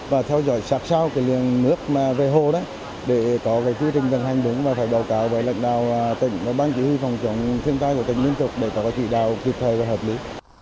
và theo dõi sát sao cái lượng nước mà về hồ đó để có cái quy trình vận hành đúng và phải báo cáo với lãnh đạo tỉnh và ban chỉ huy phòng chống thiên tai của tỉnh liên tục để có chỉ đạo kịp thời và hợp lý